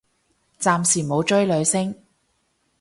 暫時冇追女星